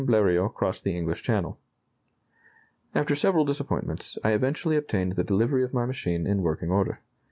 Bleriot crossed the English Channel: "After several disappointments, I eventually obtained the delivery of my machine in working order....